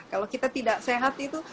kalau kita tidak sehat itu